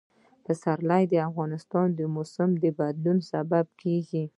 پسرلی د افغانستان د موسم د بدلون سبب کېږي.